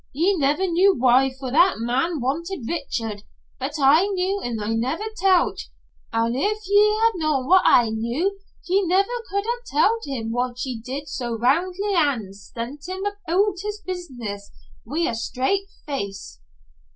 Ye never knew why for that man wanted Richard, but I knew an' I never tell't ye. An' if ye had known what I knew, ye never could ha' tell't him what ye did so roundly an' sent him aboot his business wi' a straight face."